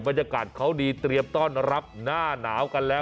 บรรยากาศเขาดีเตรียมต้อนรับหน้าหนาวกันแล้ว